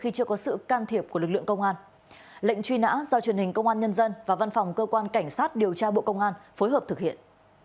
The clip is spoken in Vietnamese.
hoặc cơ quan công an nơi gần nhất